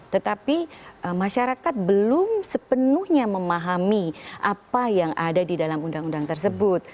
tetapi masyarakat belum sepenuhnya memahami apa yang ada di dalam undang undang tersebut